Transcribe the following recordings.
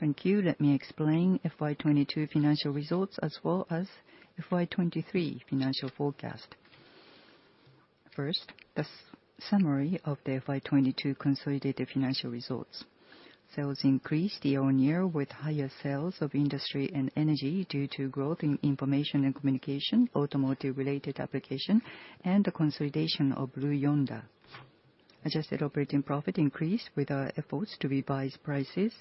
Thank you. Let me explain FY22 financial results as well as FY23 financial forecast. First, the summary of the FY22 consolidated financial results. Sales increased year-on-year with higher sales of Industry and Energy due to growth in information and communication, automotive related application and the consolidation of Blue Yonder. Adjusted operating profit increased with our efforts to revise prices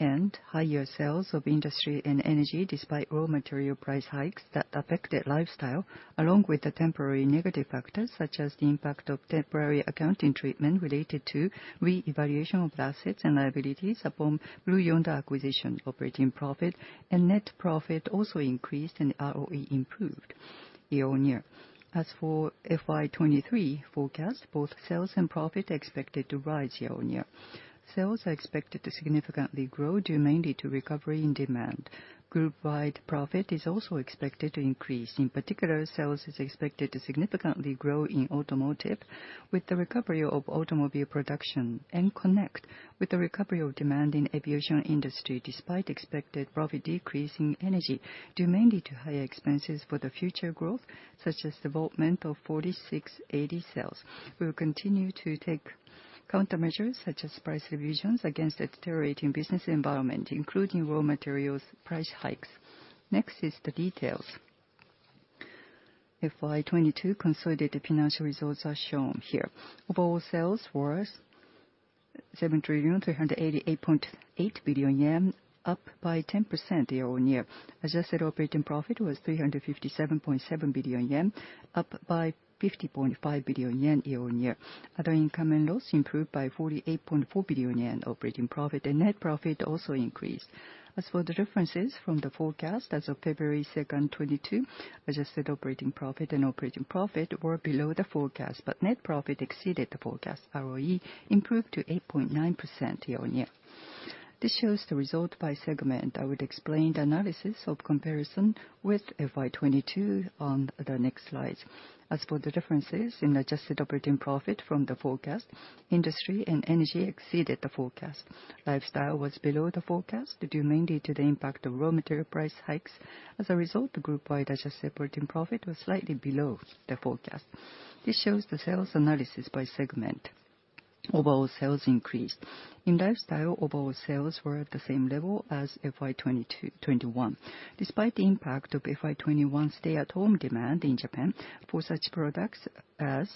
and higher sales of Industry and Energy despite raw material price hikes that affected Lifestyle along with the temporary negative factors such as the impact of temporary accounting treatment related to reevaluation of assets and liabilities upon Blue Yonder acquisition. Operating profit and net profit also increased and ROE improved year-on-year. As for FY23 forecast, both sales and profit are expected to rise year-on-year. Sales are expected to significantly grow due mainly to recovery in demand. Group-wide profit is also expected to increase. In particular, sales are expected to significantly grow in Automotive with the recovery of automobile production and Connect with the recovery of demand in aviation industry, despite expected profit decrease in Energy due mainly to higher expenses for the future growth, such as development of 4680 cells. We will continue to take countermeasures such as price revisions against a deteriorating business environment, including raw materials price hikes. Next is the details. FY22 consolidated financial results are shown here. Overall sales was 7,388.8 billion yen, up by 10% year-on-year. Adjusted operating profit was 357.7 billion yen, up by 50.5 billion yen year-on-year. Other income and loss improved by 48.4 billion yen. Operating profit and net profit also increased. As for the differences from the forecast, as of February 2, 2022, adjusted operating profit and operating profit were below the forecast, but net profit exceeded the forecast. ROE improved to 8.9% year-on-year. This shows the result by segment. I would explain the analysis of comparison with FY22 on the next slides. As for the differences in adjusted operating profit from the forecast, Industry and Energy exceeded the forecast. Lifestyle was below the forecast due mainly to the impact of raw material price hikes. As a result, the group-wide adjusted operating profit was slightly below the forecast. This shows the sales analysis by segment. Overall sales increased. In Lifestyle, overall sales were at the same level as FY21. Despite the impact of FY21 stay-at-home demand in Japan for such products as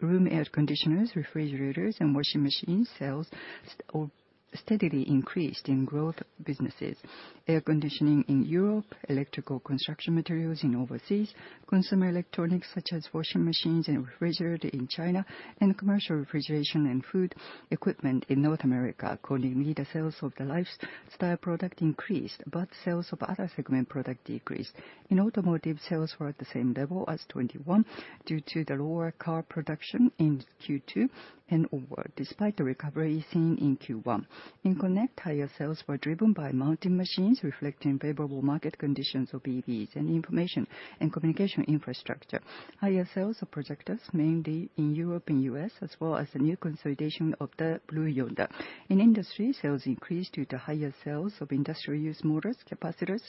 room air conditioners, refrigerators and washing machines, sales steadily increased in growth businesses. Air conditioning in Europe, electrical construction materials overseas, consumer electronics such as washing machines and refrigerators in China, and commercial refrigeration and food equipment in North America. Accordingly, the sales of the Lifestyle product increased, but sales of other segment products decreased. In Automotive, sales were at the same level as 2021 due to the lower car production in Q2 and onward, despite the recovery seen in Q1. In Connect, higher sales were driven by mounting machines reflecting favorable market conditions of EVs and information and communication infrastructure. Higher sales of projectors mainly in Europe and U.S., as well as the new consolidation of the Blue Yonder. In Industry, sales increased due to higher sales of industrial use motors, capacitors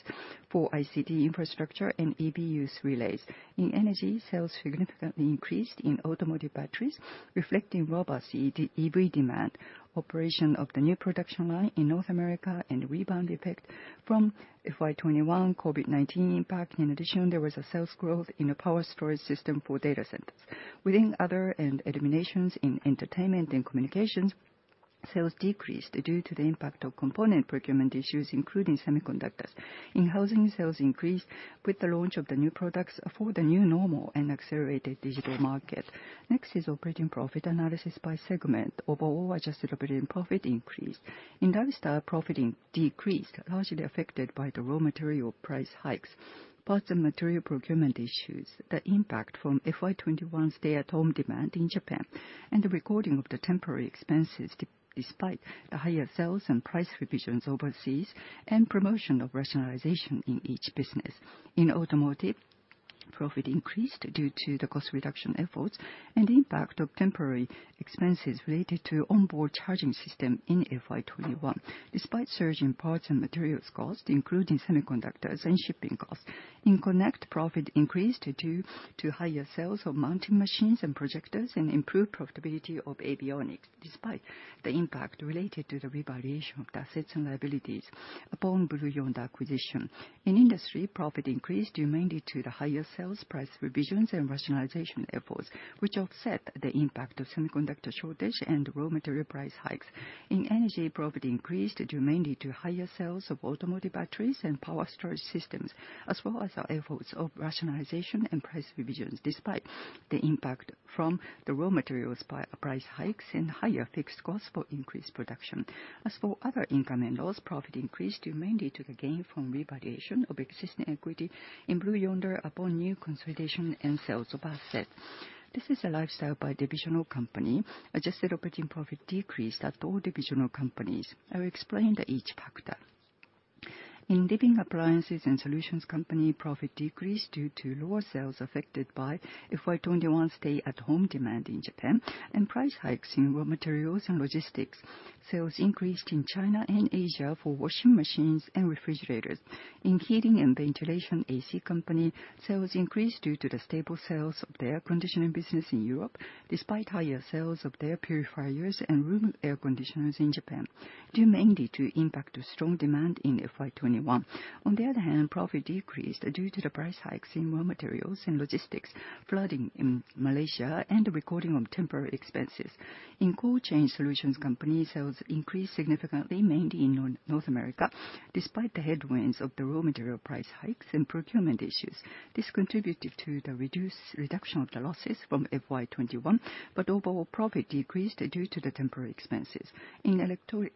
for ICT infrastructure and EV relays. In Energy, sales significantly increased in automotive batteries, reflecting robust EV demand, operation of the new production line in North America and rebound effect from FY21 COVID-19 impact. In addition, there was a sales growth in the energy storage system for data centers. Within Other and eliminations in entertainment and communications, sales decreased due to the impact of component procurement issues, including semiconductors. In housing, sales increased with the launch of the new products for the new normal and accelerated digital market. Next is operating profit analysis by segment. Overall adjusted operating profit increased. In Lifestyle, profit decreased, largely affected by the raw material price hikes, parts and material procurement issues that impact from FY21 stay-at-home demand in Japan and the recording of the temporary expenses despite the higher sales and price revisions overseas and promotion of rationalization in each business. In Automotive, profit increased due to the cost reduction efforts and impact of temporary expenses related to on-board charger system in FY21, despite surge in parts and materials cost, including semiconductors and shipping costs. In Connect, profit increased due to higher sales of mounting machines and projectors and improved profitability of avionics, despite the impact related to the revaluation of assets and liabilities upon Blue Yonder acquisition. In Industry, profit increased due mainly to the higher sales, price revisions and rationalization efforts, which offset the impact of semiconductor shortage and raw material price hikes. In Energy, profit increased due mainly to higher sales of automotive batteries and power storage systems, as well as our efforts of rationalization and price revisions, despite the impact from the raw materials price hikes and higher fixed costs for increased production. As for other income and loss, profit increased due mainly to the gain from revaluation of existing equity in Blue Yonder upon new consolidation and sales of assets. This is a Lifestyle divisional company. Adjusted operating profit decreased at all divisional companies. I will explain each factor. In Living Appliances and Solutions Company, profit decreased due to lower sales affected by FY21 stay-at-home demand in Japan and price hikes in raw materials and logistics. Sales increased in China and Asia for washing machines and refrigerators. In Heating and Ventilation AC Company, sales increased due to the stable sales of the air conditioning business in Europe, despite higher sales of their purifiers and room air conditioners in Japan, due mainly to impact of strong demand in FY21. On the other hand, profit decreased due to the price hikes in raw materials and logistics, flooding in Malaysia, and the recording of temporary expenses. In Cold Chain Solutions Company, sales increased significantly, mainly in North America, despite the headwinds of the raw material price hikes and procurement issues. This contributed to the reduction of the losses from FY21, but overall profit decreased due to the temporary expenses. In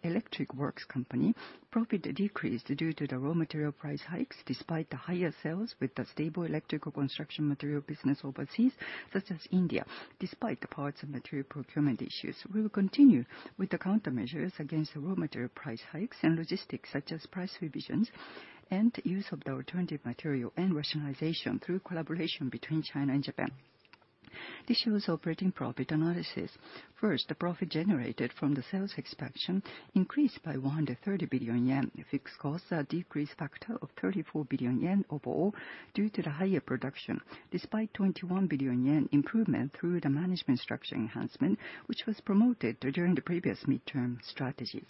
Electric Works Company, profit decreased due to the raw material price hikes despite the higher sales with the stable electrical construction material business overseas, such as India, despite the parts and material procurement issues. We will continue with the countermeasures against the raw material price hikes and logistics, such as price revisions and use of the alternative material and rationalization through collaboration between China and Japan. This shows operating profit analysis. First, the profit generated from the sales expansion increased by 130 billion yen. Fixed costs are a decrease factor of 34 billion yen overall due to the higher production, despite 21 billion yen improvement through the management structure enhancement, which was promoted during the previous midterm strategy.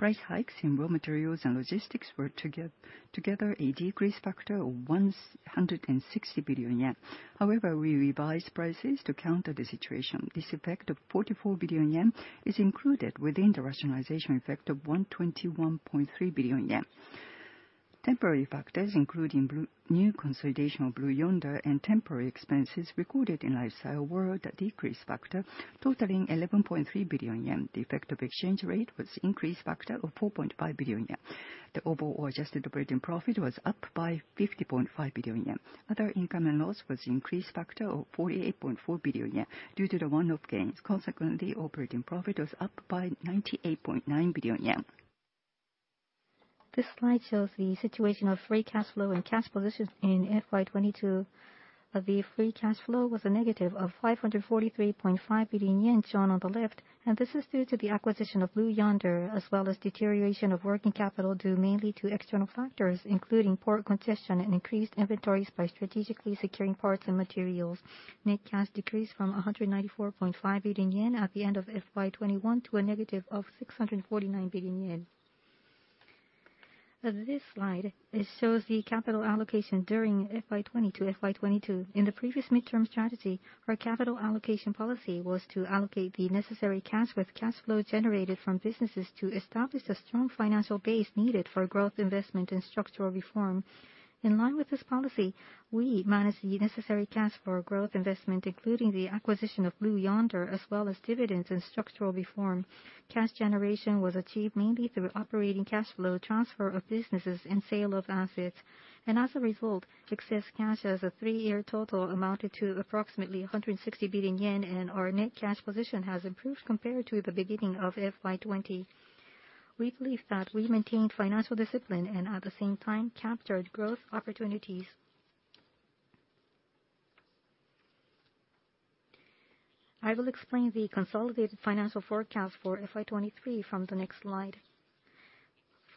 Price hikes in raw materials and logistics were together a decrease factor of 160 billion yen. However, we revised prices to counter the situation. This effect of 44 billion yen is included within the rationalization effect of 121.3 billion yen. Temporary factors including new consolidation of Blue Yonder and temporary expenses recorded in Lifestyle were the decrease factor, totaling 11.3 billion yen. The effect of exchange rate was increase factor of 4.5 billion yen. The overall adjusted operating profit was up by 50.5 billion yen. Other income and loss was increase factor of 48.4 billion yen due to the one-off gains. Consequently, operating profit was up by 98.9 billion yen. This slide shows the situation of free cash flow and cash positions in FY22. The free cash flow was negative 543.5 billion yen shown on the left, and this is due to the acquisition of Blue Yonder as well as deterioration of working capital due mainly to external factors, including port congestion and increased inventories by strategically securing parts and materials. Net cash decreased from 194.5 billion yen at the end of FY21 to negative 649 billion yen. This slide, it shows the capital allocation during FY20 to FY22. In the previous midterm strategy, our capital allocation policy was to allocate the necessary cash with cash flow generated from businesses to establish a strong financial base needed for growth investment and structural reform. In line with this policy, we managed the necessary cash for growth investment, including the acquisition of Blue Yonder, as well as dividends and structural reform. Cash generation was achieved mainly through operating cash flow, transfer of businesses, and sale of assets. As a result, excess cash as a three-year total amounted to approximately 160 billion yen, and our net cash position has improved compared to the beginning of FY2020. We believe that we maintained financial discipline and at the same time captured growth opportunities. I will explain the consolidated financial forecast for FY2023 from the next slide.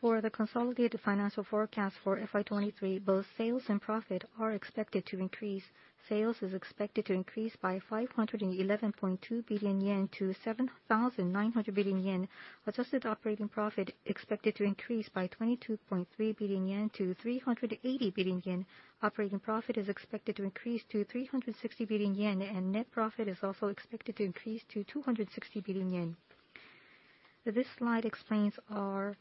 For the consolidated financial forecast for FY2023, both sales and profit are expected to increase. Sales is expected to increase by 511.2 billion yen to 7,900 billion yen. Adjusted operating profit expected to increase by 22.3 billion yen to 380 billion yen. Operating profit is expected to increase to 360 billion yen, and net profit is also expected to increase to 260 billion yen. This slide explains our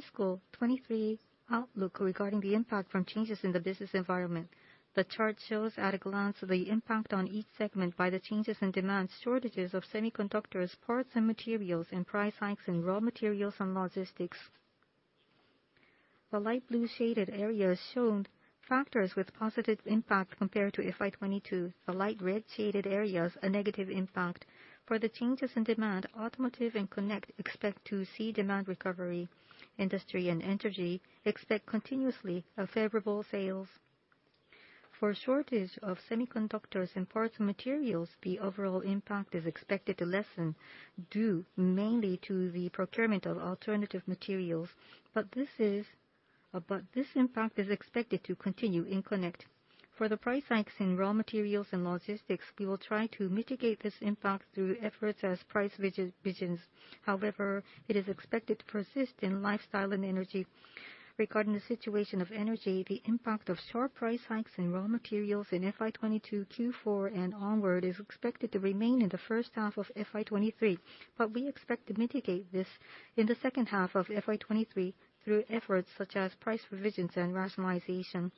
fiscal 2023 outlook regarding the impact from changes in the business environment. The chart shows at a glance the impact on each segment by the changes in demand, shortages of semiconductors, parts and materials, and price hikes in raw materials and logistics. The light blue shaded areas show factors with positive impact compared to FY22. The light red shaded areas show a negative impact. For the changes in demand, Automotive and Connect expect to see demand recovery. Industry and Energy expect continuous favorable sales. For shortage of semiconductors and parts and materials, the overall impact is expected to lessen due mainly to the procurement of alternative materials. This impact is expected to continue in Connect. For the price hikes in raw materials and logistics, we will try to mitigate this impact through efforts as price revisions. However, it is expected to persist in Lifestyle and Energy. Regarding the situation of Energy, the impact of sharp price hikes in raw materials in FY22 Q4 and onward is expected to remain in the first half of FY23, but we expect to mitigate this in the second half of FY23 through efforts such as price revisions and rationalization.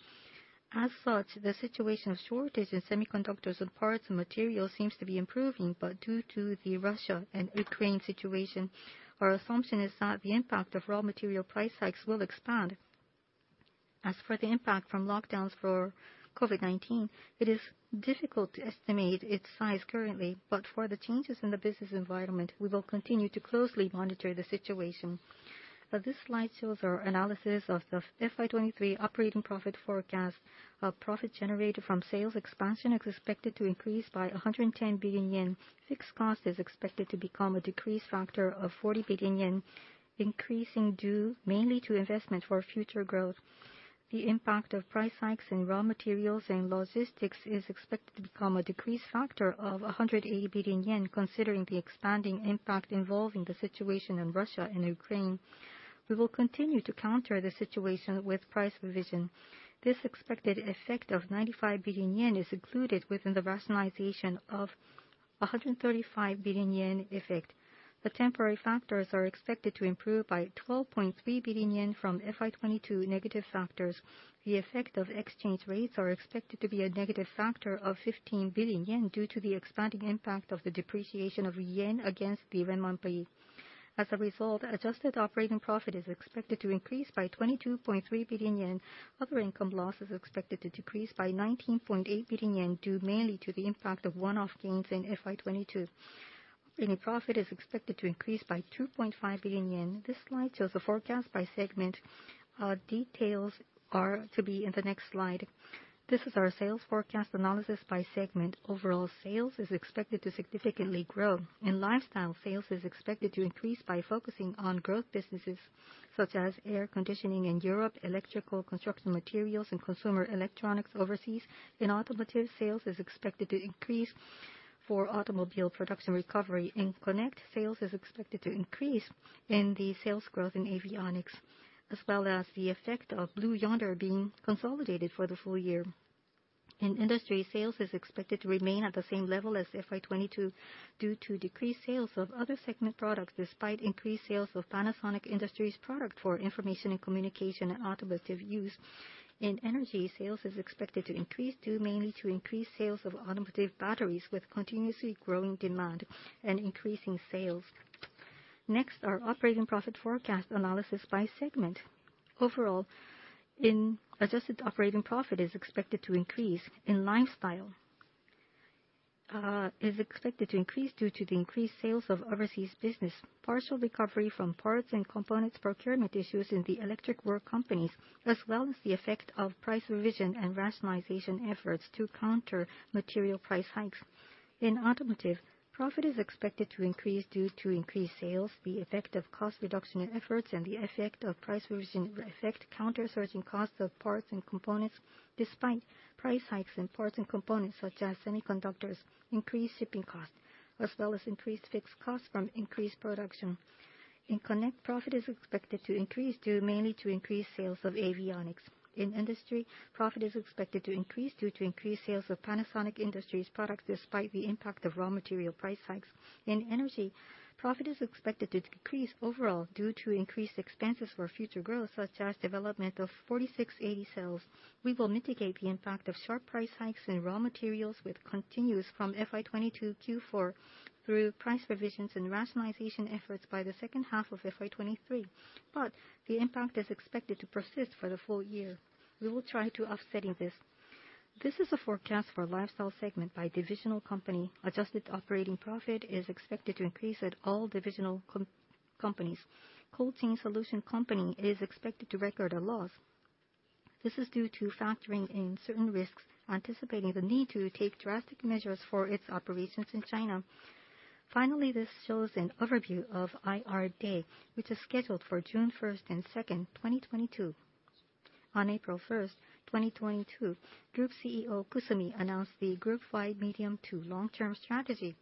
As such, the situation of shortage in semiconductors and parts and materials seems to be improving. Due to the Russia and Ukraine situation, our assumption is that the impact of raw material price hikes will expand. As for the impact from lockdowns for COVID-19, it is difficult to estimate its size currently, but for the changes in the business environment, we will continue to closely monitor the situation. This slide shows our analysis of the FY23 operating profit forecast. Profit generated from sales expansion is expected to increase by 110 billion yen. Fixed cost is expected to become a decrease factor of 40 billion yen, increasing due mainly to investment for future growth. The impact of price hikes in raw materials and logistics is expected to become a decrease factor of 180 billion yen considering the expanding impact involving the situation in Russia and Ukraine. We will continue to counter the situation with price revision. This expected effect of 95 billion yen is included within the rationalization of 135 billion yen effect. The temporary factors are expected to improve by 12.3 billion yen from FY22 negative factors. The effect of exchange rates are expected to be a negative factor of 15 billion yen due to the expanding impact of the depreciation of yen against the renminbi. As a result, adjusted operating profit is expected to increase by 22.3 billion yen. Other income loss is expected to decrease by 19.8 billion yen due mainly to the impact of one-off gains in FY22. Earning profit is expected to increase by 2.5 billion yen. This slide shows the forecast by segment. Details are to be in the next slide. This is our sales forecast analysis by segment. Overall sales are expected to significantly grow. In Lifestyle, sales is expected to increase by focusing on growth businesses such as air conditioning in Europe, electrical construction materials and consumer electronics overseas. In Automotive, sales is expected to increase for automobile production recovery. In Connect, sales is expected to increase due to sales growth in avionics, as well as the effect of Blue Yonder being consolidated for the full year. In Industry, sales is expected to remain at the same level as FY22 due to decreased sales of other segment products despite increased sales of Panasonic Industry products for information and communication and automotive use. In Energy, sales is expected to increase due mainly to increased sales of automotive batteries with continuously growing demand and increasing sales. Next, our operating profit forecast analysis by segment. Overall, adjusted operating profit is expected to increase. In Lifestyle, is expected to increase due to the increased sales of overseas business, partial recovery from parts and components procurement issues in the electric works companies, as well as the effect of price revision and rationalization efforts to counter material price hikes. In Automotive, profit is expected to increase due to increased sales, the effect of cost reduction efforts, and the effect of price revision to counter surging costs of parts and components despite price hikes in parts and components such as semiconductors, increased shipping costs, as well as increased fixed costs from increased production. In Connect, profit is expected to increase due mainly to increased sales of avionics. In Industry, profit is expected to increase due to increased sales of Panasonic Industry products despite the impact of raw material price hikes. In Energy, profit is expected to decrease overall due to increased expenses for future growth, such as development of 4680 cells. We will mitigate the impact of sharp price hikes in raw materials, which continues from FY22 Q4 through price revisions and rationalization efforts by the second half of FY23. The impact is expected to persist for the full year. We will try to offset this. This is a forecast for Lifestyle segment by divisional company. Adjusted operating profit is expected to increase at all divisional companies. Cold chain solutions company is expected to record a loss. This is due to factoring in certain risks, anticipating the need to take drastic measures for its operations in China. Finally, this shows an overview of IR Day, which is scheduled for June 1 and 2, 2022. On April 1, 2022, Group CEO Kusumi announced the Group-wide medium- to long-term strategy.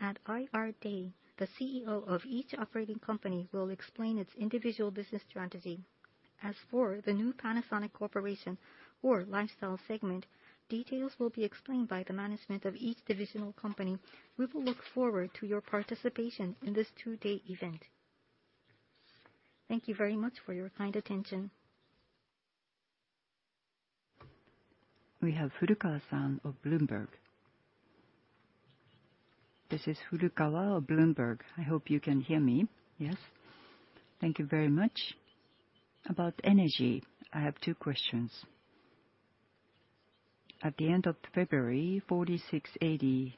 At IR Day, the CEO of each operating company will explain its individual business strategy. As for the new Panasonic Corporation or Lifestyle segment, details will be explained by the management of each divisional company. We will look forward to your participation in this two-day event. Thank you very much for your kind attention. We have Furukawa-san of Bloomberg. This is Furukawa of Bloomberg. I hope you can hear me. Yes. Thank you very much. About energy, I have two questions. At the end of February, 4680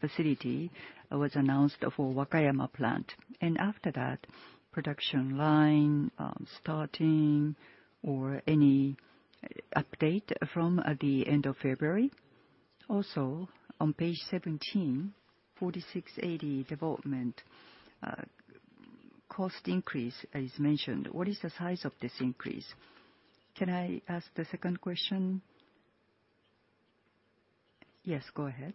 facility was announced for Wakayama plant. After that, production line starting or any update from the end of February? Also, on page 17, 4680 development cost increase is mentioned. What is the size of this increase? Can I ask the second question? Yes, go ahead.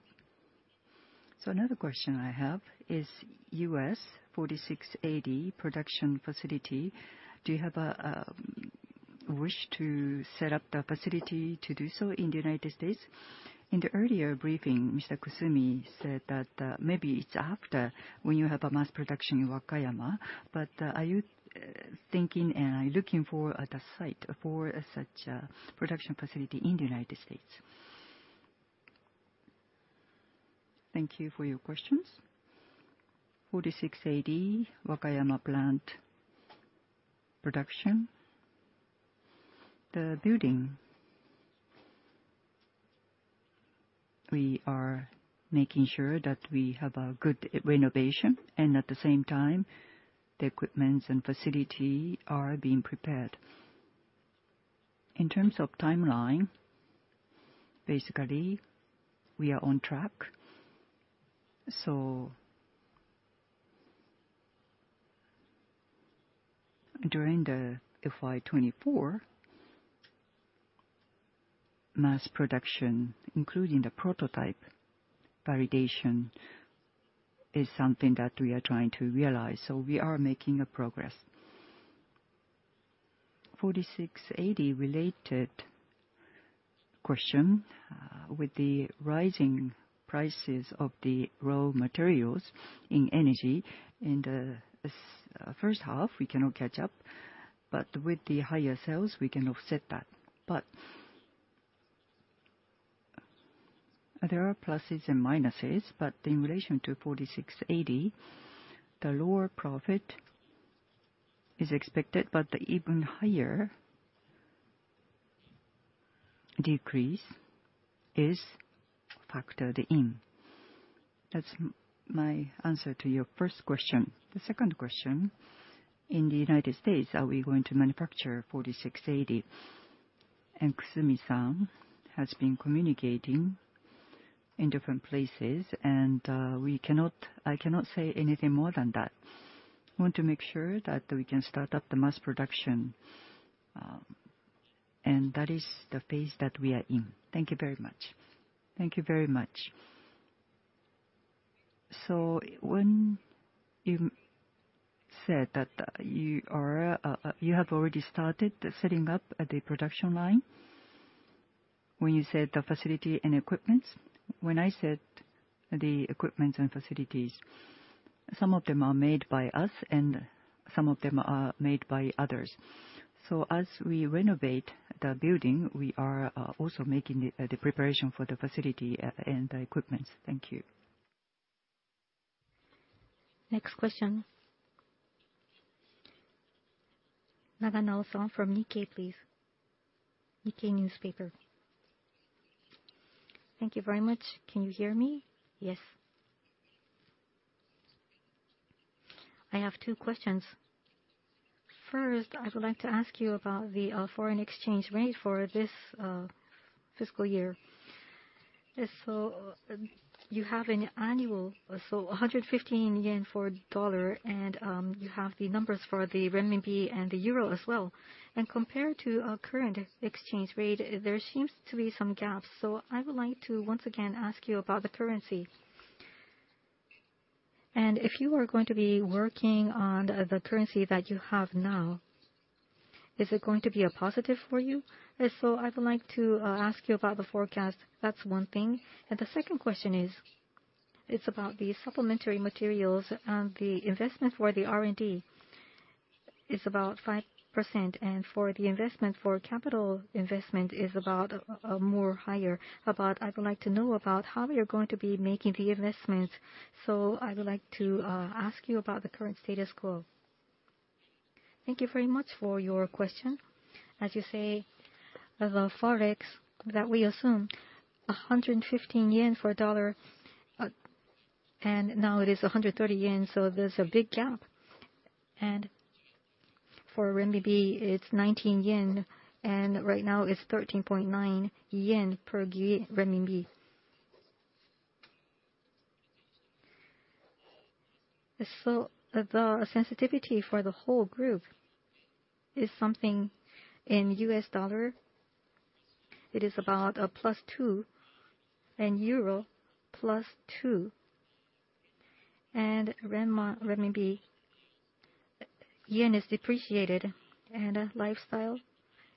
Another question I have is U.S. 4680 production facility. Do you have a wish to set up the facility to do so in the United States? In the earlier briefing, Mr. Kusumi said that maybe it's after when you have a mass production in Wakayama. Are you thinking and are you looking for the site for such a production facility in the United States? Thank you for your questions. 4680 Wakayama plant production. The building, we are making sure that we have a good renovation and at the same time, the equipment and facility are being prepared. In terms of timeline, basically, we are on track. During the FY24, mass production, including the prototype validation, is something that we are trying to realize. We are making progress. 4680 related question, with the rising prices of the raw materials in energy in the first half, we cannot catch up, but with the higher sales, we can offset that. But there are pluses and minuses, but in relation to 4680, the lower profit is expected, but even higher decrease is factored in. That's my answer to your first question. The second question, in the United States, are we going to manufacture 4680? Kusumi-San has been communicating in different places, and I cannot say anything more than that. I want to make sure that we can start up the mass production, and that is the phase that we are in. Thank you very much. Thank you very much. When you said that, you have already started setting up the production line, when you said the facility and equipment. When I said the equipment and facilities, some of them are made by us and some of them are made by others. As we renovate the building, we are also making the preparation for the facility and the equipment. Thank you. Next question. Nagana Oson from Nikkei, please. Nikkei Newspaper. Thank you very much. Can you hear me? Yes. I have two questions. First, I would like to ask you about the foreign exchange rate for this fiscal year. You have an annual 115 yen for a dollar, and you have the numbers for the renminbi and the euro as well. Compared to our current exchange rate, there seems to be some gaps. I would like to once again ask you about the currency. If you are going to be working on the currency that you have now, is it going to be a positive for you? I would like to ask you about the forecast. That's one thing. The second question is, it's about the supplementary materials and the investment for the R&D. It's about 5%, and for the investment, for capital investment is about, more higher. I would like to know about how we are going to be making the investments. I would like to ask you about the current status quo. Thank you very much for your question. As you say, the forex that we assume, 115 yen for a dollar, and now it is 130 yen, so there's a big gap. For renminbi, it's 19 yen, and right now it's 13.9 yen per renminbi. The sensitivity for the whole group is something in US dollar. It is about +2, and euro, +2, and renminbi, yen is depreciated, and Lifestyle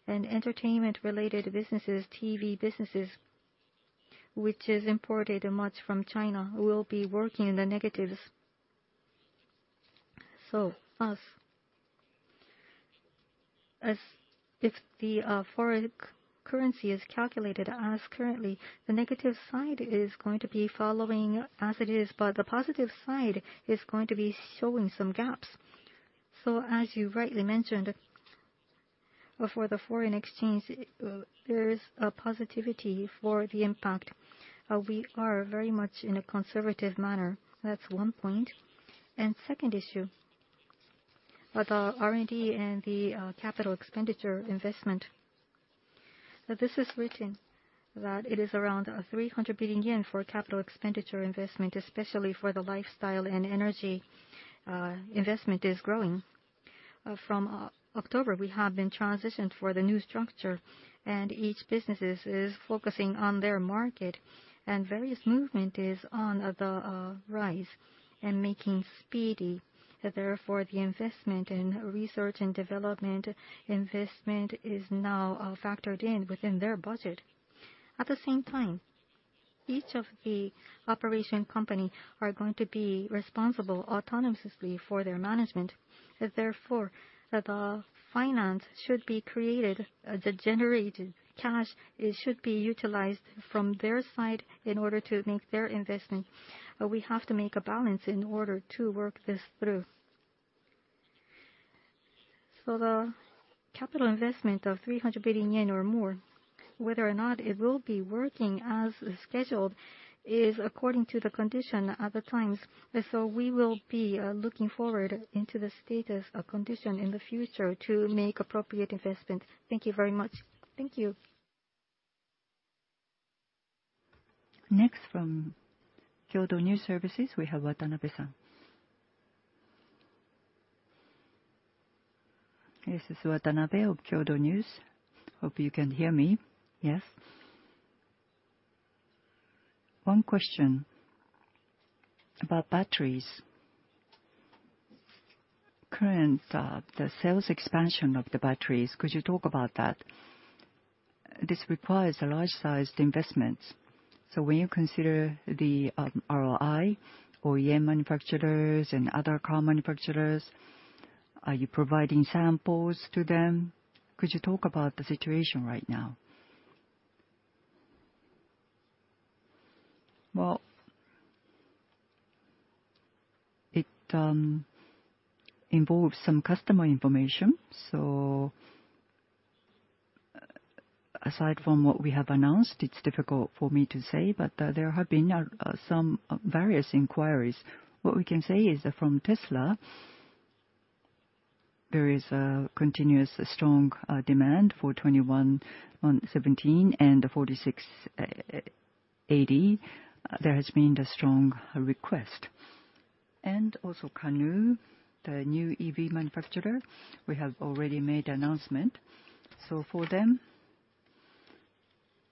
and entertainment related businesses, TV businesses, which is imported much from China, will be working in the negatives. As if the foreign currency is calculated as currently, the negative side is going to be following as it is, but the positive side is going to be showing some gaps. As you rightly mentioned, for the foreign exchange, there is a positivity for the impact. We are very much in a conservative manner. That's one point. Second issue, with the R&D and the capital expenditure investment. This is reaching that it is around 300 billion yen for capital expenditure investment, especially for the Lifestyle and Energy, investment is growing. From October, we have been transitioned for the new structure and each businesses is focusing on their market and various movement is on the rise and making speedy. Therefore, the investment in research and development investment is now factored in within their budget. At the same time, each of the operating companies are going to be responsible autonomously for their management. Therefore, the finance should be created, the generated cash should be utilized from their side in order to make their investment. But we have to make a balance in order to work this through. The capital investment of 300 billion yen or more, whether or not it will be working as scheduled, is according to the condition at the times. We will be looking forward into the status of condition in the future to make appropriate investments. Thank you very much. Thank you. Next from Kyodo News, we have Watanabe-san. This is Watanabe of Kyodo News. Hope you can hear me. Yes. One question about batteries. Current, the sales expansion of the batteries, could you talk about that? This requires a large sized investments, so when you consider the ROI for OEM manufacturers and other car manufacturers, are you providing samples to them? Could you talk about the situation right now? Well, it involves some customer information, so aside from what we have announced, it's difficult for me to say. There have been some various inquiries. What we can say is that from Tesla, there is a continuous strong demand for 2170 and 4680. There has been a strong request. Also Canoo, the new EV manufacturer, we have already made announcement. For them,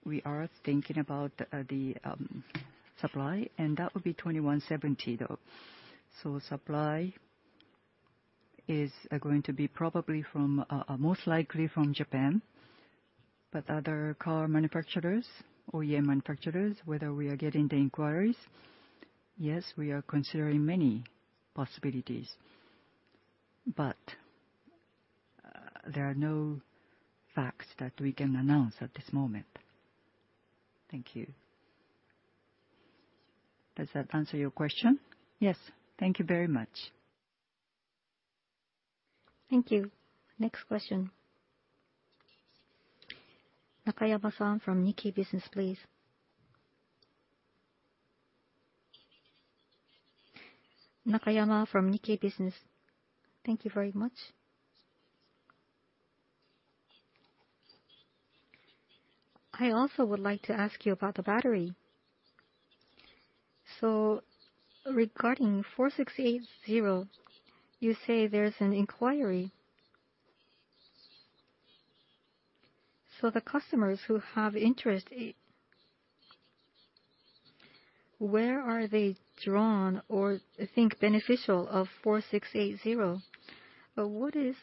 we are thinking about the supply and that would be 2170 though. Supply is going to be probably from most likely from Japan. Other car manufacturers, OEM manufacturers, whether we are getting the inquiries, yes, we are considering many possibilities, but there are no facts that we can announce at this moment. Thank you. Does that answer your question? Yes. Thank you very much. Thank you. Next question. Nakayama-san from Nikkei Business, please. Nakayama from Nikkei Business. Thank you very much. I also would like to ask you about the battery. Regarding 4680, you say there's an inquiry. The customers who have interest, where are they drawn or think beneficial of 4680? What is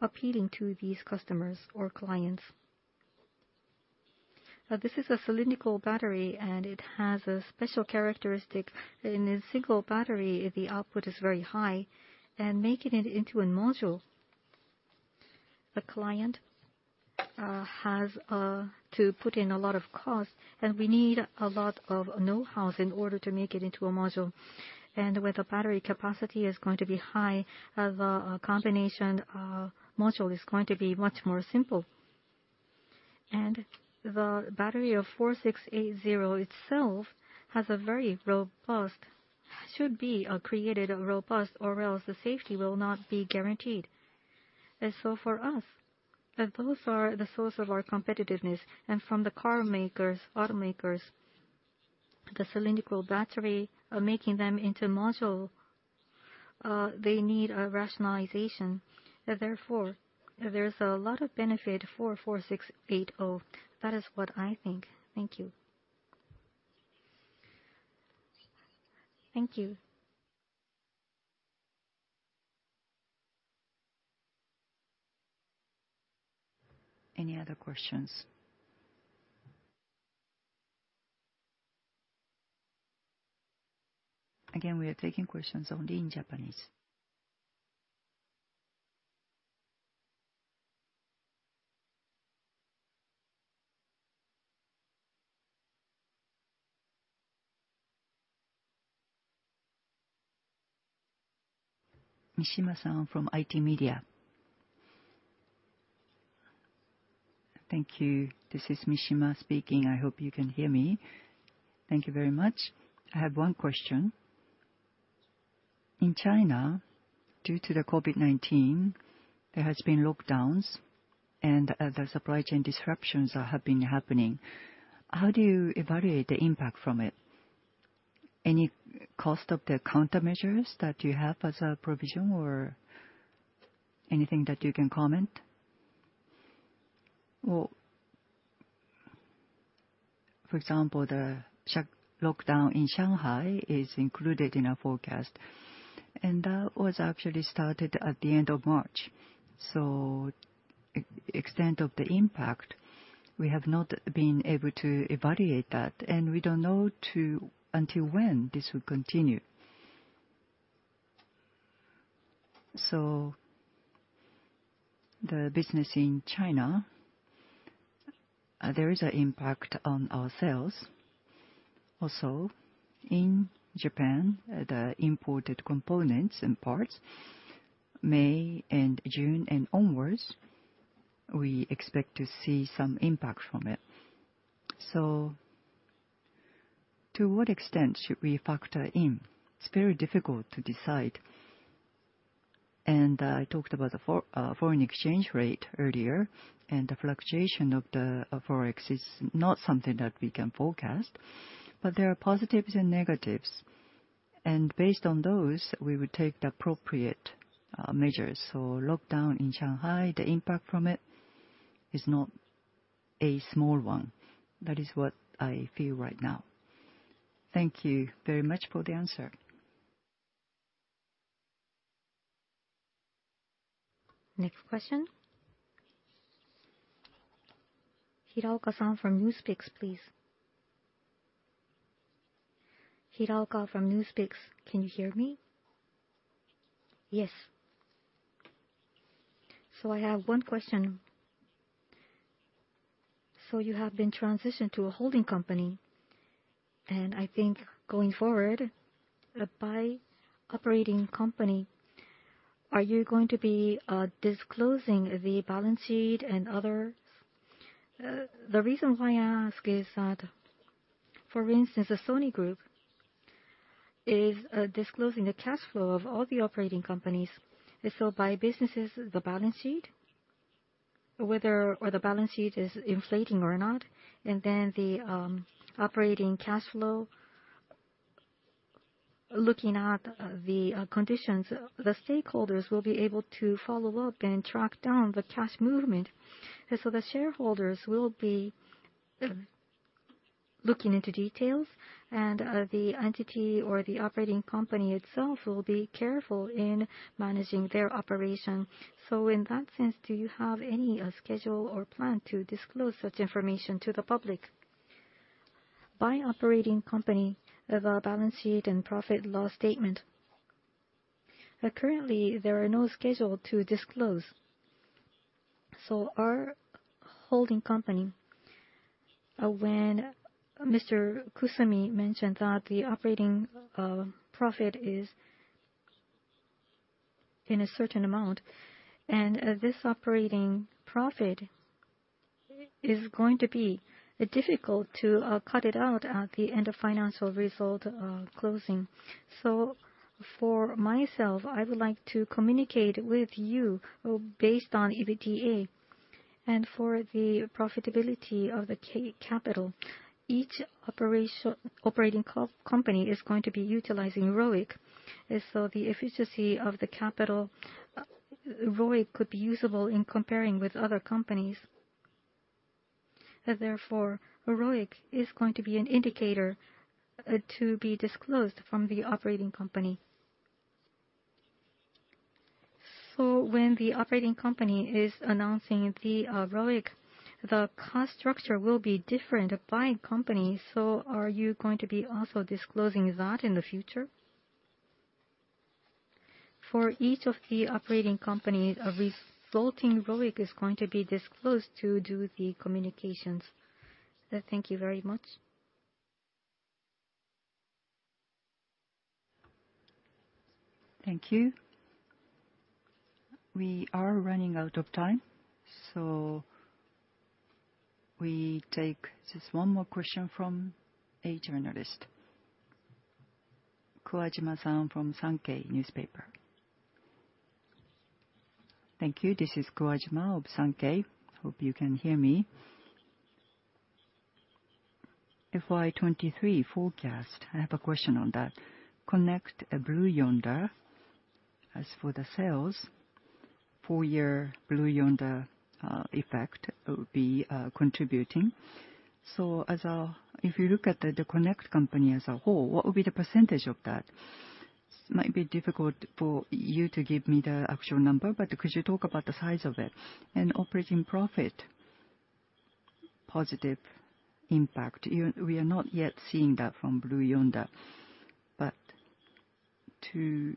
appealing to these customers or clients? This is a cylindrical battery, and it has a special characteristic. In a single battery the output is very high. Making it into a module, the client has to put in a lot of cost, and we need a lot of know-how in order to make it into a module. Where the battery capacity is going to be high, the combination module is going to be much more simple. The battery of 4680 itself should be created robust or else the safety will not be guaranteed. For us, those are the source of our competitiveness. From the car makers, automakers, the cylindrical battery, making them into module, they need a rationalization. Therefore, there's a lot of benefit for 4680. That is what I think. Thank you. Thank you. Any other questions? Again, we are taking questions only in Japanese. Mishima-san from ITmedia. Thank you. This is Mishima speaking. I hope you can hear me. Thank you very much. I have one question. In China, due to the COVID-19, there has been lockdowns and the supply chain disruptions have been happening. How do you evaluate the impact from it? Any cost of the countermeasures that you have as a provision or anything that you can comment? Well, for example, the lockdown in Shanghai is included in our forecast, and that was actually started at the end of March. Extent of the impact, we have not been able to evaluate that, and we don't know until when this will continue. The business in China, there is an impact on our sales. Also, in Japan, the imported components and parts, May and June and onwards, we expect to see some impact from it. To what extent should we factor in? It's very difficult to decide. I talked about the foreign exchange rate earlier, and the fluctuation of the Forex is not something that we can forecast. There are positives and negatives. Based on those, we would take the appropriate measures. Lockdown in Shanghai, the impact from it is not a small one. That is what I feel right now. Thank you very much for the answer. Next question. Hiraoka-san from NewsPicks, please. Hiraoka from NewsPicks, can you hear me? Yes. I have one question. You have been transitioned to a holding company, and I think going forward, by operating company, are you going to be disclosing the balance sheet and other? The reason why I ask is that, for instance, the Sony Group is disclosing the cash flow of all the operating companies. By businesses, the balance sheet, whether or not the balance sheet is inflating or not, and then the operating cash flow, looking at the conditions, the stakeholders will be able to follow up and track down the cash movement. The shareholders will be looking into details and the entity or the operating company itself will be careful in managing their operation. In that sense, do you have any schedule or plan to disclose such information to the public? By operating company of our balance sheet and profit and loss statement, currently, there is no schedule to disclose. Our holding company, when Mr. Kusumi mentioned that the operating profit is in a certain amount, and this operating profit is going to be difficult to cut it out at the end of financial result closing. For myself, I would like to communicate with you based on EBITDA. For the profitability of the capital, each operating company is going to be utilizing ROIC. The efficiency of the capital, ROIC could be usable in comparing with other companies. Therefore, ROIC is going to be an indicator to be disclosed from the operating company. When the operating company is announcing the ROIC, the cost structure will be different applying companies. Are you going to be also disclosing that in the future? For each of the operating company, a resulting ROIC is going to be disclosed to do the communications. Thank you very much. Thank you. We are running out of time, so we take just one more question from a journalist. Kojima-san from Sankei Shimbun. Thank you. This is Kojima of Sankei. Hope you can hear me. FY23 forecast, I have a question on that. Connect Blue Yonder, as for the sales, full year Blue Yonder effect will be contributing. So as a, if you look at the Connect company as a whole, what would be the percentage of that? Might be difficult for you to give me the actual number, but could you talk about the size of it? Operating profit, positive impact, you know, we are not yet seeing that from Blue Yonder. Until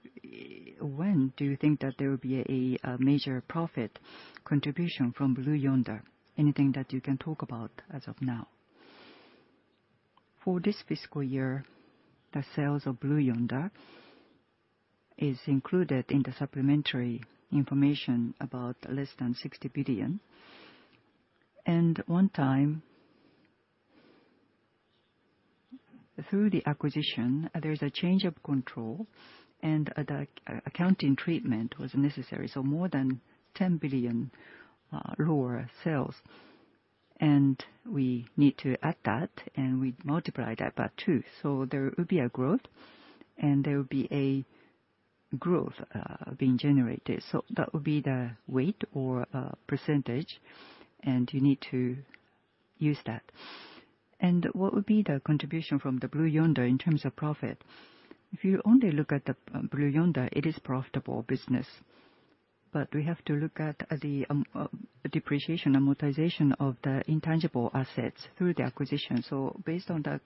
when do you think that there will be a major profit contribution from Blue Yonder? Anything that you can talk about as of now. For this fiscal year, the sales of Blue Yonder is included in the supplementary information about less than 60 billion. One time, through the acquisition, there's a change of control and the accounting treatment was necessary, so more than 10 billion lower sales. We need to add that, and we multiply that by two. There will be a growth being generated. That would be the weight or percentage, and you need to use that. What would be the contribution from the Blue Yonder in terms of profit? If you only look at the Blue Yonder, it is profitable business. We have to look at the depreciation and amortization of the intangible assets through the acquisition. Based on the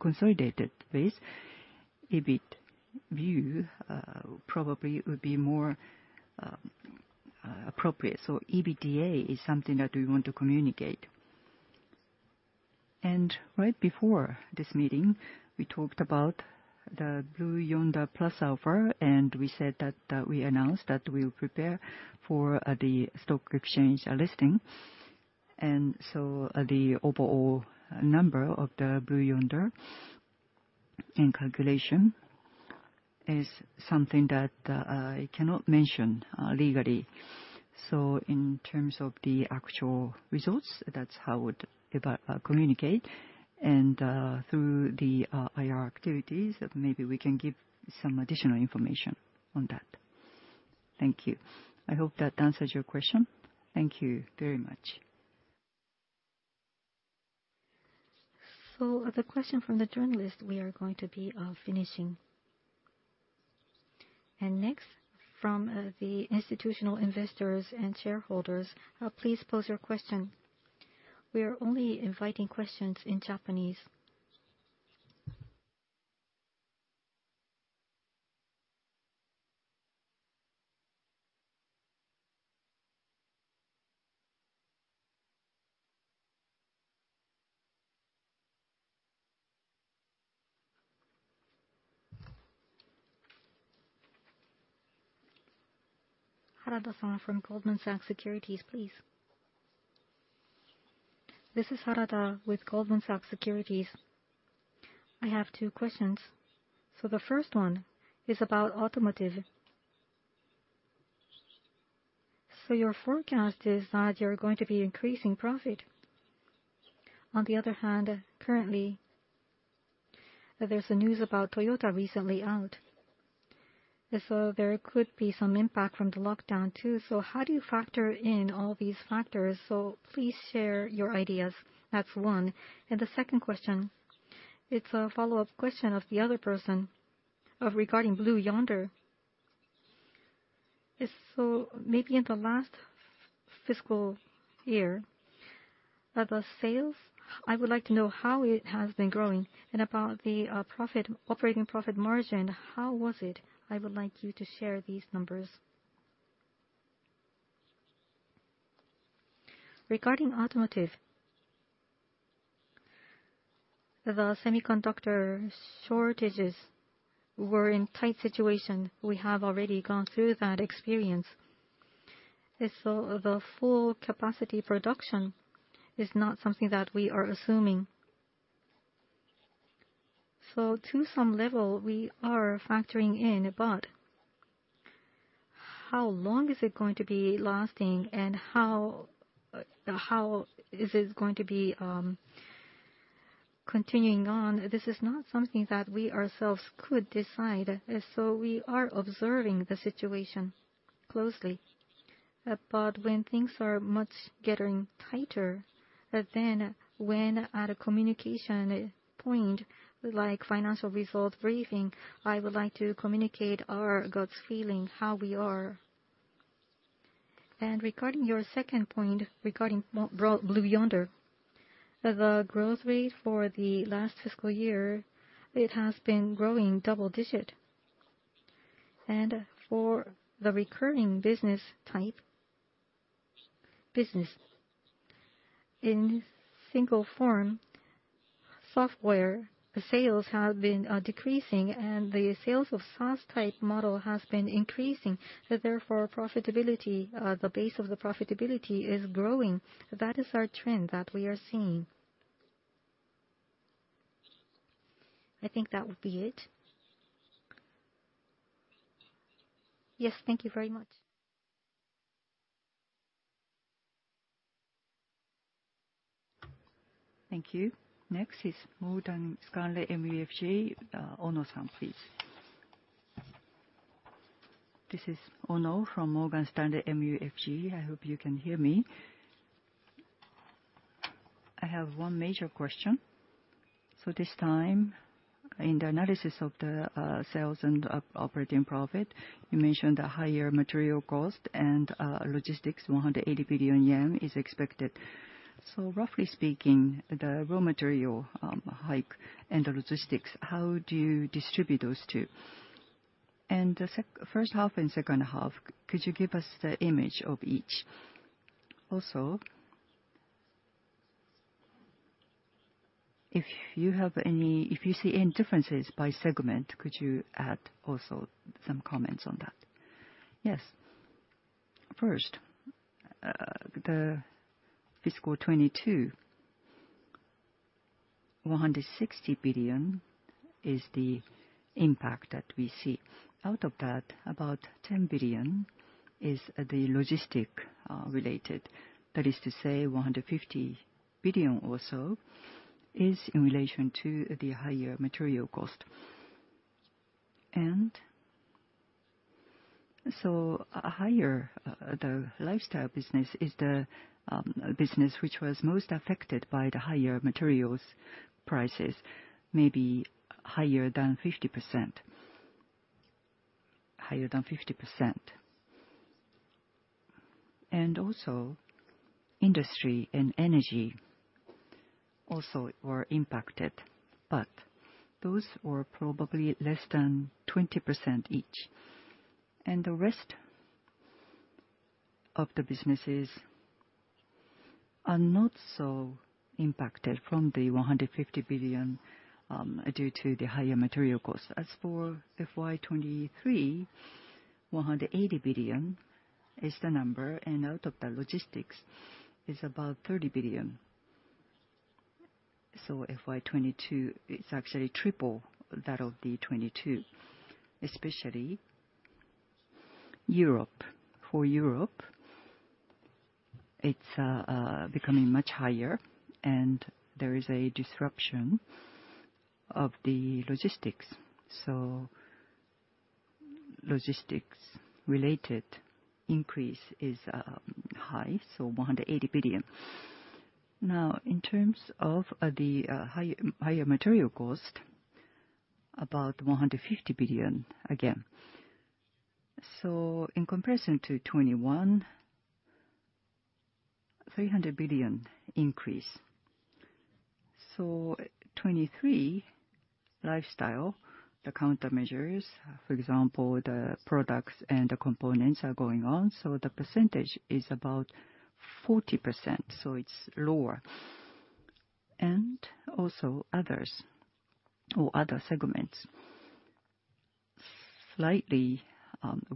consolidated base- EBIT view probably would be more appropriate. EBITDA is something that we want to communicate. Right before this meeting, we talked about the Blue Yonder IPO, and we said that we announced that we will prepare for the stock exchange listing. The overall number of the Blue Yonder in calculation is something that I cannot mention legally. In terms of the actual results, that's how I would communicate. Through the IR activities, maybe we can give some additional information on that. Thank you. I hope that answers your question. Thank you very much. The question from the journalist, we are going to be finishing. Next, from the institutional investors and shareholders, please pose your question. We are only inviting questions in Japanese. Harada-san from Goldman Sachs Securities, please. This is Harada with Goldman Sachs Securities. I have two questions. The first one is about automotive. Your forecast is that you're going to be increasing profit. On the other hand, currently, there's a news about Toyota recently out. There could be some impact from the lockdown too. How do you factor in all these factors? Please share your ideas. That's one. The second question, it's a follow-up question of the other person of regarding Blue Yonder. Maybe in the last fiscal year, of the sales, I would like to know how it has been growing. And about the profit, operating profit margin, how was it? I would like you to share these numbers. Regarding automotive, the semiconductor shortages were in tight situation. We have already gone through that experience. The full capacity production is not something that we are assuming. To some level, we are factoring in, but how long is it going to be lasting, and how is it going to be continuing on? This is not something that we ourselves could decide. We are observing the situation closely. When things are much getting tighter, then when at a communication point, like financial result briefing, I would like to communicate our gut feeling, how we are. Regarding your second point, regarding Blue Yonder, the growth rate for the last fiscal year, it has been growing double-digit. For the recurring business-type business, in single form, software sales have been decreasing, and the sales of SaaS-type model has been increasing. Therefore, profitability, the base of the profitability is growing. That is our trend that we are seeing. I think that would be it. Yes, thank you very much. Thank you. Next is Morgan Stanley MUFG. Ono-san, please. This is Ono from Morgan Stanley MUFG. I hope you can hear me. I have one major question. This time, in the analysis of the sales and operating profit, you mentioned a higher material cost and logistics, 180 billion yen is expected. Roughly speaking, the raw material hike and the logistics, how do you distribute those two? And the first half and second half, could you give us the image of each? Also, if you have any, if you see any differences by segment, could you add also some comments on that? Yes. First, the FY22, 160 billion is the impact that we see. Out of that, about 10 billion is the logistics related. That is to say 150 billion or so is in relation to the higher material cost. Higher, the Lifestyle business is the business which was most affected by the higher materials prices, maybe higher than 50%. Industry and energy also were impacted, but those were probably less than 20% each. The rest of the businesses are not so impacted from the 150 billion due to the higher material costs. As for FY23, 180 billion is the number, and out of the logistics is about 30 billion. FY22, it's actually triple that of the 22, especially Europe. For Europe, it's becoming much higher and there is a disruption of the logistics. Logistics related increase is high, 180 billion. Now, in terms of the higher material cost, about 150 billion again. In comparison to 2021, 300 billion increase. 2023 Lifestyle, the countermeasures, for example, the products and the components are going on, so the percentage is about 40%, so it's lower. Also other segments, slightly,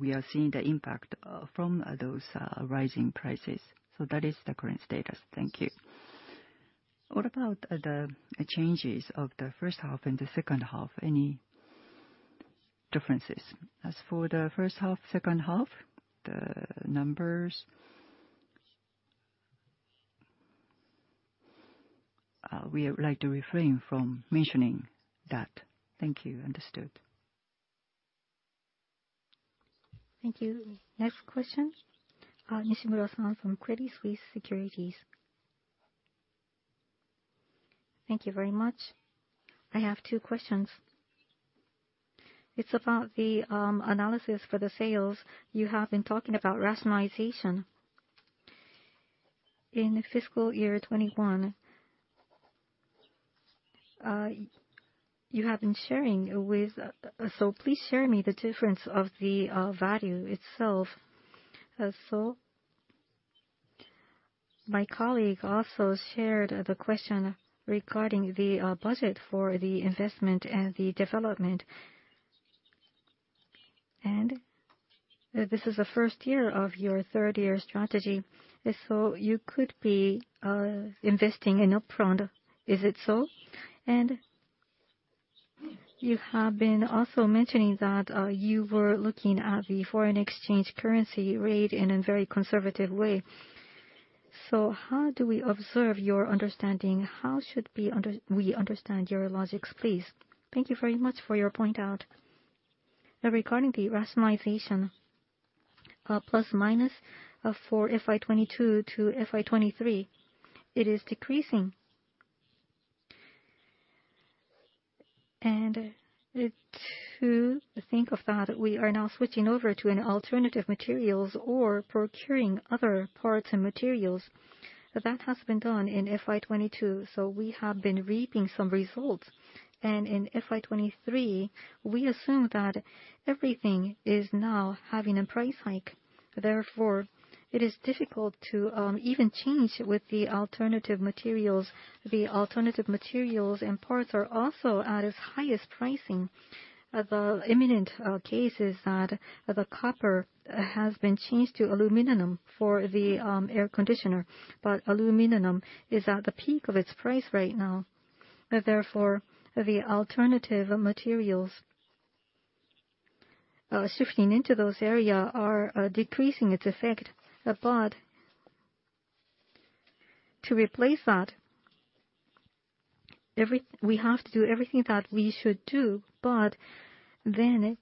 we are seeing the impact from those rising prices. That is the current status. Thank you. What about the changes of the first half and the second half? Any differences? As for the first half, second half, the numbers, we would like to refrain from mentioning that. Thank you. Understood. Thank you. Next question, Nishimura-San from Credit Suisse Securities. Thank you very much. I have two questions. It's about the analysis for the sales. You have been talking about rationalization. In fiscal year 2021, you have been sharing with. Please share me the difference of the value itself. My colleague also shared the question regarding the budget for the investment and the development. This is the first year of your third year strategy, so you could be investing in upfront. Is it so? You have been also mentioning that you were looking at the foreign exchange currency rate in a very conservative way. How do we observe your understanding? How should we understand your logics, please? Thank you very much for your point out. Regarding the rationalization, plus minus for FY 2022 to FY 2023, it is decreasing. To think of that, we are now switching over to an alternative materials or procuring other parts and materials. That has been done in FY22, so we have been reaping some results. In FY23, we assume that everything is now having a price hike. Therefore, it is difficult to even change with the alternative materials. The alternative materials and parts are also at its highest pricing. The imminent case is that the copper has been changed to aluminum for the air conditioner, but aluminum is at the peak of its price right now. Therefore, the alternative materials shifting into those area are decreasing its effect. But to replace that, we have to do everything that we should do. Compared to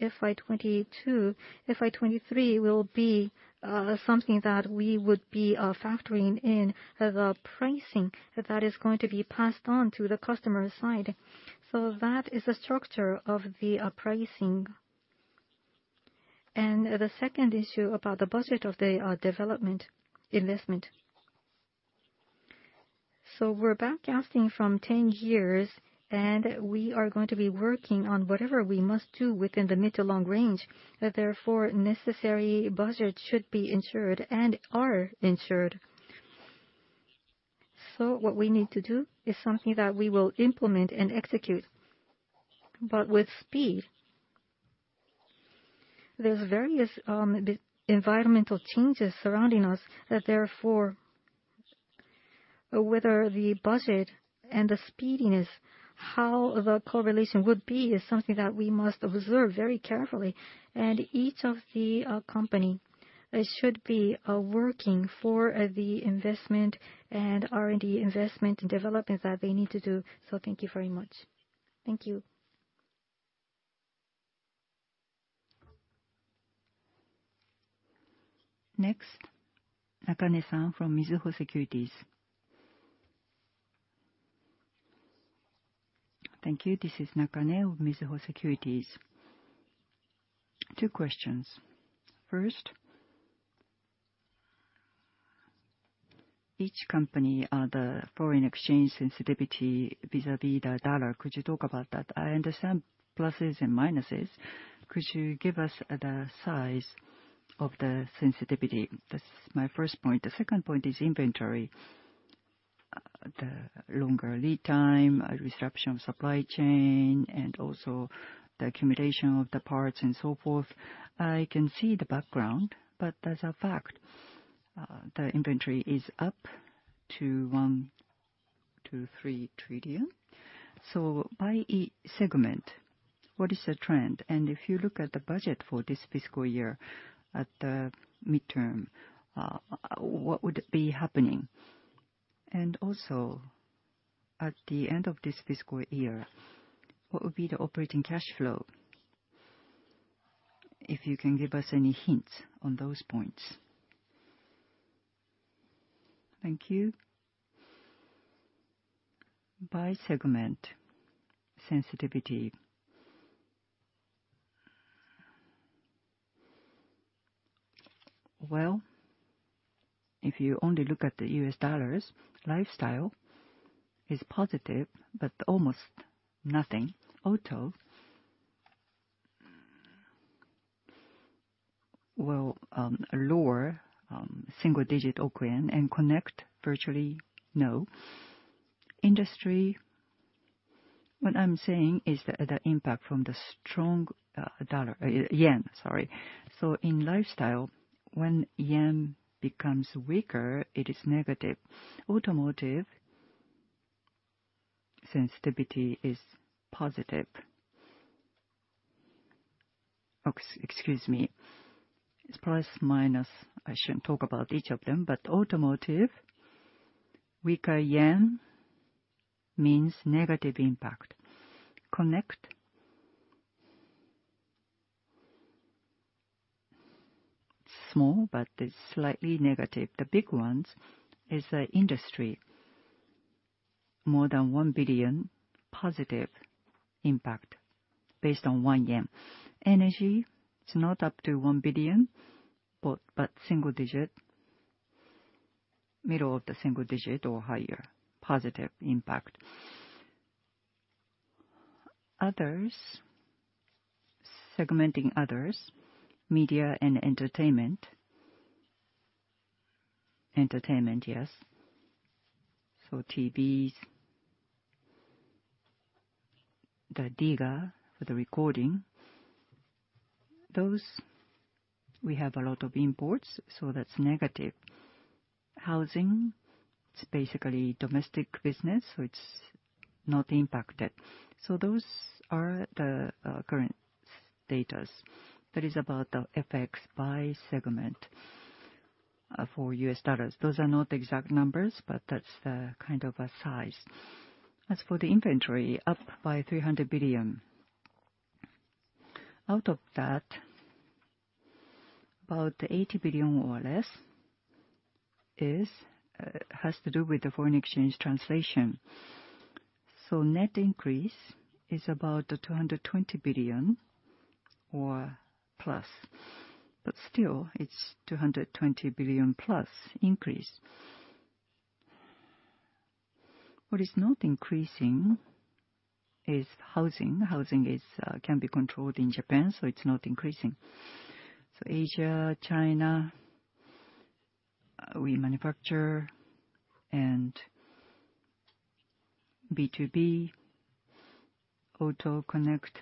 FY22, FY23 will be something that we would be factoring in the pricing that is going to be passed on to the customer side. That is the structure of the pricing. The second issue about the budget of the development investment. We're backcasting from 10 years, and we are going to be working on whatever we must do within the mid to long range. Therefore, necessary budget should be ensured and are ensured. What we need to do is something that we will implement and execute, but with speed. There's various environmental changes surrounding us. Therefore, whether the budget and the speediness, how the correlation would be is something that we must observe very carefully. Each of the company should be working for the investment and R&D investment and development that they need to do. Thank you very much. Thank you. Next, Nakane-san from Mizuho Securities. Thank you. This is Nakane of Mizuho Securities. Two questions. First, each company, the foreign exchange sensitivity vis-à-vis the dollar, could you talk about that? I understand pluses and minuses. Could you give us the size of the sensitivity? That's my first point. The second point is inventory. The longer lead time, disruption of supply chain, and also the accumulation of the parts and so forth. I can see the background, but as a fact, the inventory is up to 1 trillion-3 trillion. So by each segment, what is the trend? And if you look at the budget for this fiscal year at the midterm, what would be happening? And also, at the end of this fiscal year, what would be the operating cash flow? If you can give us any hints on those points. Thank you. By segment sensitivity. Well, if you only look at the US dollars, Lifestyle is positive, but almost nothing. Auto will lower single digit JPY 100 million. Connect, virtually no. Industry, what I'm saying is the impact from the strong yen, sorry. In Lifestyle, when yen becomes weaker, it is negative. Automotive sensitivity is positive. Excuse me. It's plus, minus. I shouldn't talk about each of them, but Automotive, weaker yen means negative impact. Connect, small but is slightly negative. The big ones is Industry. More than 1 billion positive impact based on 1 yen. Energy, it's not up to 1 billion, but single digit. Middle of the single digit or higher. Positive impact. Others. Segmenting others. Media and entertainment. Entertainment, yes. TVs, the DIGA for the recording. Those, we have a lot of imports, so that's negative. Housing, it's basically domestic business, so it's not impacted. Those are the current status. That is about the effects by segment for U.S. dollars. Those are not the exact numbers, but that's the kind of size. As for the inventory, up by 300 billion. Out of that, about 80 billion or less has to do with the foreign exchange translation. Net increase is about 220 billion or plus. But still, it's 220 billion plus increase. What is not increasing is housing. Housing can be controlled in Japan, so it's not increasing. Asia, China, we manufacture and B2B, Auto Connect,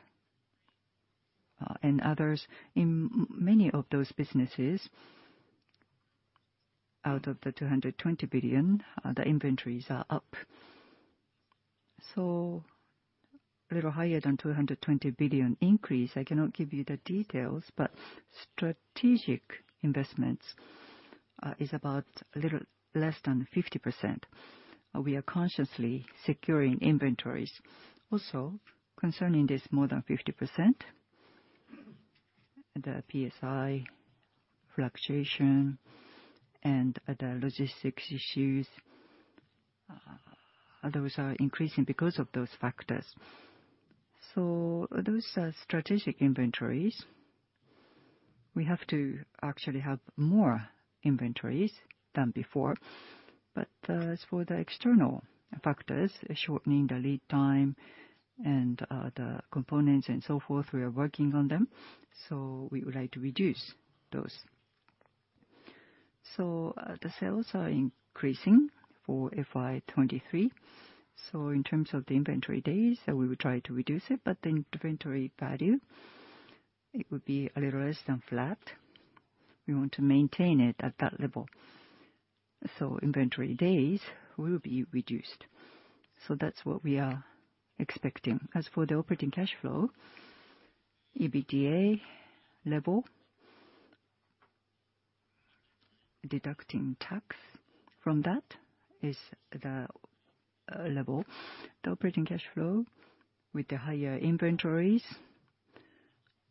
and others. In many of those businesses out of the 220 billion, the inventories are up. Little higher than 220 billion increase. I cannot give you the details, but strategic investments is about a little less than 50%. We are consciously securing inventories. Also, concerning this more than 50%, the PSI fluctuation and the logistics issues, those are increasing because of those factors. Those are strategic inventories. We have to actually have more inventories than before. As for the external factors, shortening the lead time and the components and so forth, we are working on them, so we would like to reduce those. The sales are increasing for FY23. In terms of the inventory days, we will try to reduce it, but the inventory value, it would be a little less than flat. We want to maintain it at that level. Inventory days will be reduced. That's what we are expecting. As for the operating cash flow, EBITDA level, deducting tax from that is the level. The operating cash flow with the higher inventories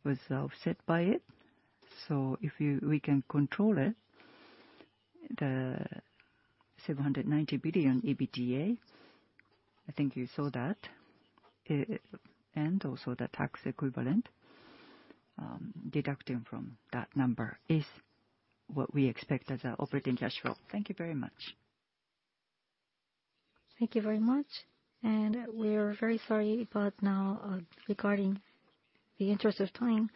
was offset by it. We can control it. The 790 billion EBITDA, I think you saw that. The tax equivalent, deducting from that number is what we expect as our operating cash flow. Thank you very much. Thank you very much. We are very sorry, but now, in the interest of time,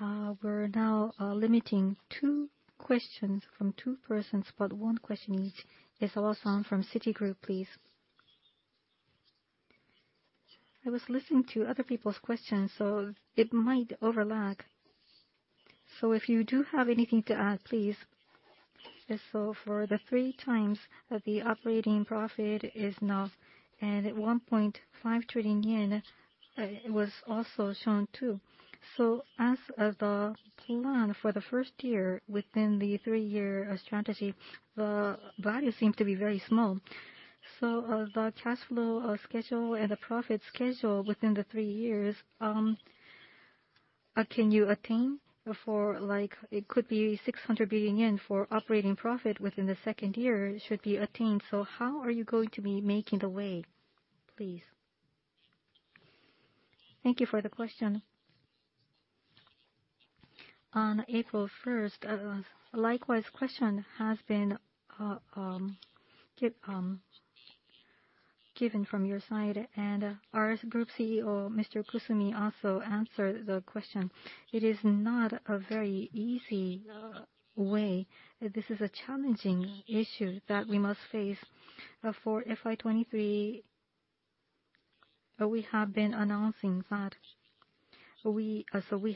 we're now limiting two questions from two persons, but one question each. Isawa-san from Citigroup, please. I was listening to other people's questions, so it might overlap. If you do have anything to add, please. For the three-year that the operating profit is now at 1.5 trillion yen was also shown too. As of the plan for the first year within the three-year strategy, the value seemed to be very small. The cash flow schedule and the profit schedule within the three years, can you attain for like it could be 600 billion yen for operating profit within the second year should be attained. How are you going to be making the way, please? Thank you for the question. On April first, likewise question has been given from your side and our group CEO, Mr. Kusumi, also answered the question. It is not a very easy way. This is a challenging issue that we must face. For FY23, we have been announcing that. We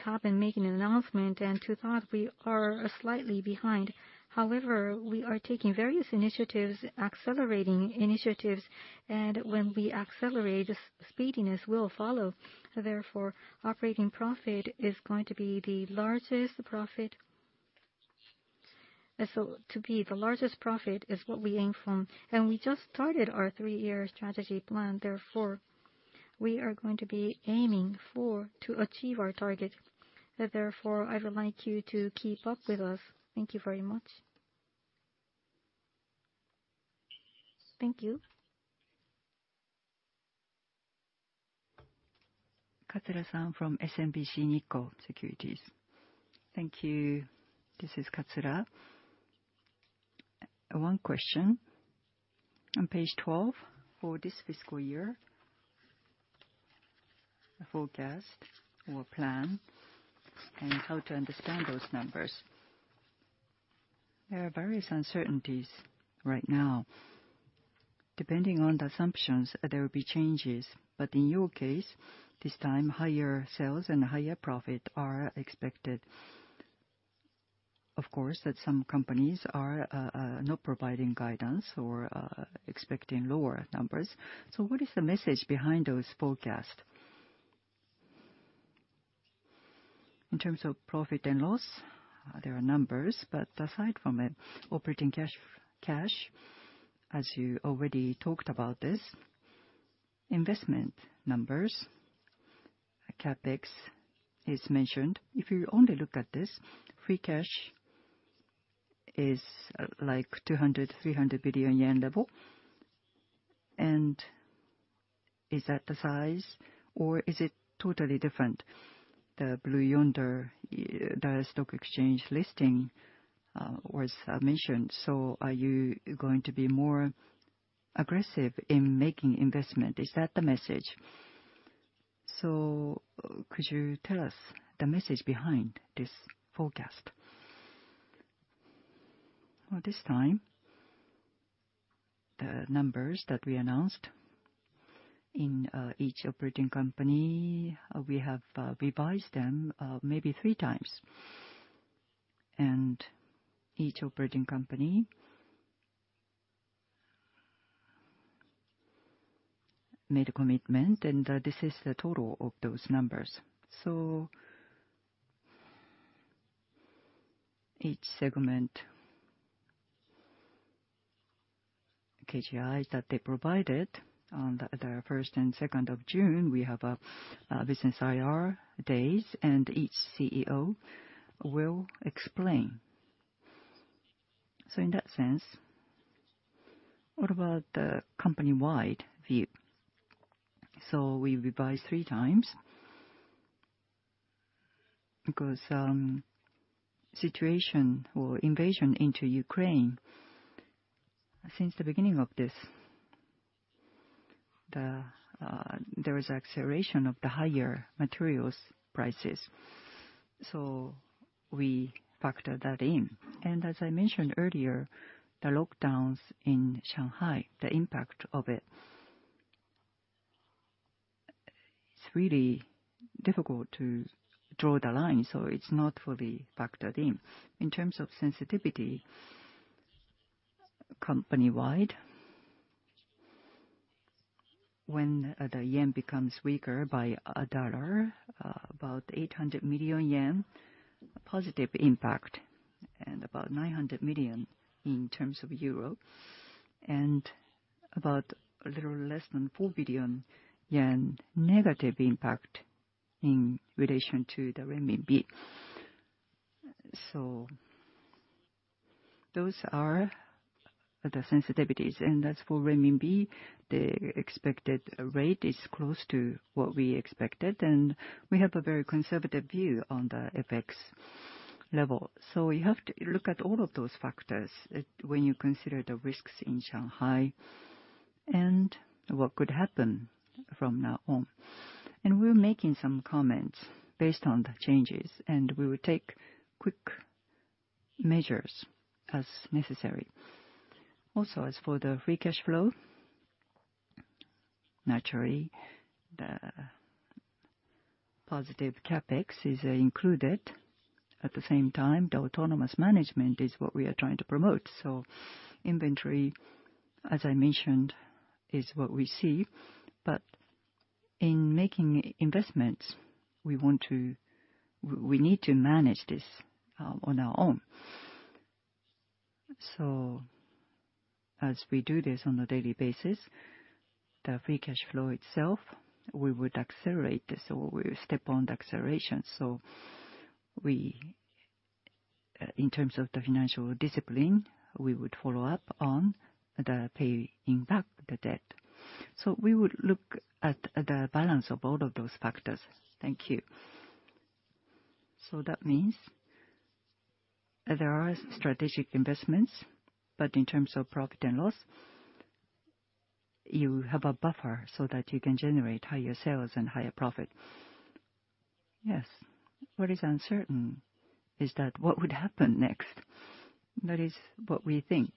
have been making an announcement, and to that, we are slightly behind. However, we are taking various initiatives, accelerating initiatives, and when we accelerate, speediness will follow. Therefore, operating profit is going to be the largest profit. To be the largest profit is what we aim for. We just started our three-year strategy plan, therefore, we are going to be aiming to achieve our target. Therefore, I would like you to keep up with us. Thank you very much. Thank you. Katsura-san from SMBC Nikko Securities. Thank you. This is Katsura. One question. On page twelve for this fiscal year, the forecast or plan and how to understand those numbers. There are various uncertainties right now. Depending on the assumptions, there will be changes. In your case, this time higher sales and higher profit are expected. Of course, some companies are not providing guidance or expecting lower numbers. What is the message behind those forecasts? In terms of profit and loss, there are numbers, but aside from it, operating cash, as you already talked about this, investment numbers, CapEx is mentioned. If you only look at this, free cash is like 200 billion-300 billion yen level. Is that the size or is it totally different? The Blue Yonder, the stock exchange listing, was mentioned. Are you going to be more aggressive in making investment? Is that the message? Could you tell us the message behind this forecast? Well, this time, the numbers that we announced in each operating company, we have revised them, maybe three times. Each operating company made a commitment, and this is the total of those numbers. Each segment, KGIs that they provided on the first and second of June, we have a business IR Days, and each CEO will explain. In that sense, what about the company-wide view? We revised three times because situation or invasion into Ukraine, since the beginning of this, there is acceleration of the higher materials prices. We factor that in. As I mentioned earlier, the lockdowns in Shanghai, the impact of it's really difficult to draw the line, so it's not fully factored in. In terms of sensitivity company-wide, when the yen becomes weaker by $1, about JPY 800 million positive impact and about 900 million in terms of euro and about a little less than 4 billion yen negative impact in relation to the renminbi. Those are the sensitivities. As for renminbi, the expected rate is close to what we expected, and we have a very conservative view on the FX level. You have to look at all of those factors when you consider the risks in Shanghai and what could happen from now on. We're making some comments based on the changes, and we will take quick measures as necessary. Also, as for the free cash flow, naturally the positive CapEx is included. At the same time, the autonomous management is what we are trying to promote. Inventory, as I mentioned, is what we see. But in making investments, we need to manage this on our own. As we do this on a daily basis, the free cash flow itself, we would accelerate this or we'll step on the acceleration. We, in terms of the financial discipline, we would follow up on the paying back the debt. We would look at the balance of all of those factors. Thank you. That means there are strategic investments, but in terms of profit and loss, you have a buffer so that you can generate higher sales and higher profit. Yes. What is uncertain is that what would happen next? That is what we think.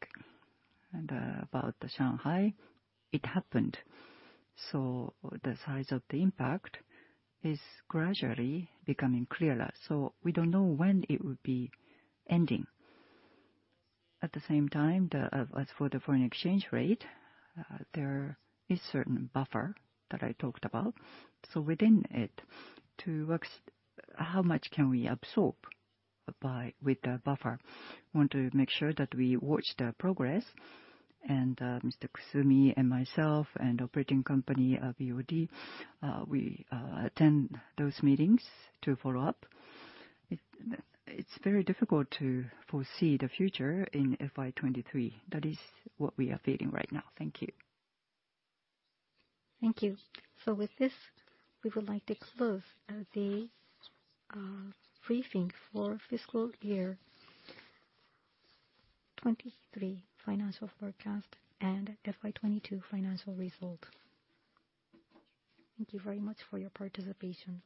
About the Shanghai, it happened. The size of the impact is gradually becoming clearer, so we don't know when it would be ending. At the same time, as for the foreign exchange rate, there is certain buffer that I talked about. Within it, how much can we absorb with the buffer? Want to make sure that we watch the progress. Mr. Kusumi and myself and operating company of UD, we attend those meetings to follow up. It's very difficult to foresee the future in FY23. That is what we are feeling right now. Thank you. Thank you. With this, we would like to close the briefing for fiscal year 2023 financial forecast and FY 2022 financial result. Thank you very much for your participation.